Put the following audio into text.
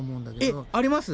えっあります？